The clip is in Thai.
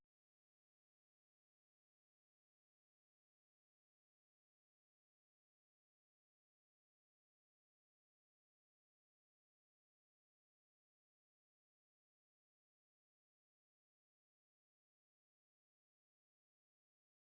สวัสดีครับ